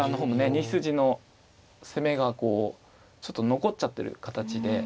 ２筋の攻めがちょっと残っちゃってる形で。